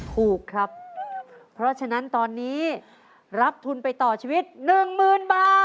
ถูกครับเพราะฉะนั้นตอนนี้รับทุนไปต่อชีวิต๑๐๐๐บาท